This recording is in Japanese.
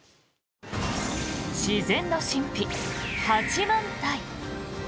自然の神秘、八幡平。